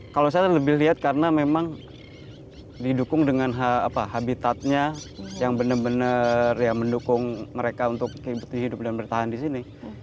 kalau saya lebih lihat karena memang didukung dengan habitatnya yang benar benar ya mendukung mereka untuk hidup dan bertahan di sini